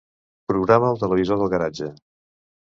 Programa el televisor del garatge.